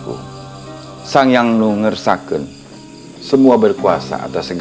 orang yang hatinya murung